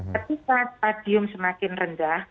ketika stadium semakin rendah